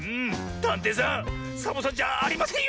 たんていさんサボさんじゃありませんよ。